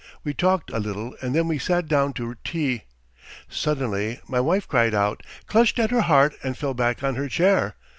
... We talked a little and then we sat down to tea; suddenly my wife cried out, clutched at her heart, and fell back on her chair.